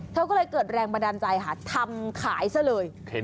เธอก็เลยเกิดแรงบันดาลใจค่ะทำขายซะเลย